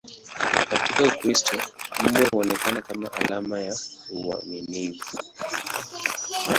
Katika Ukristo, mbwa huonekana kama alama ya uaminifu.